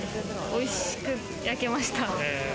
美味しく焼けました。